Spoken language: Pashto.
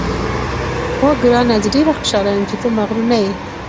اوه ګرانه، زه ډېره خوشاله یم چې ته مغرور نه یې.